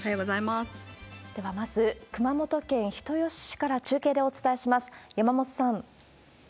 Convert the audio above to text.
では、まず、熊本県人吉市から中継でお伝えします。